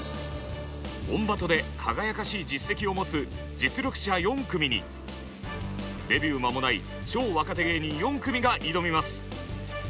「オンバト」で輝かしい実績を持つ実力者４組にデビュー間もない超若手芸人４組が挑みます。